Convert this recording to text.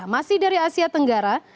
masih dari asia tenggara